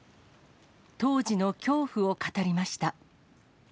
当時の恐怖を語りました。